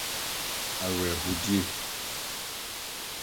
Awerɛhodi.